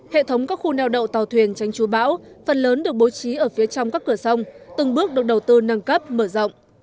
hệ thống các khu neo đậu tàu thuyền tránh chú bão phần lớn được bố trí ở phía trong các cửa sông từng bước được đầu tư nâng cấp mở rộng